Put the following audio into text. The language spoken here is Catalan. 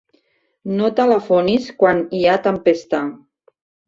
No telefonis quan hi ha tempesta.